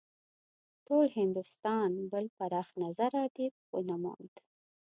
ټول هندوستان بل پراخ نظره ادیب ونه موند.